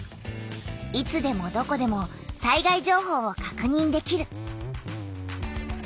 いつでもどこでも災害情報をかくにんできる。